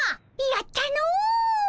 やったの！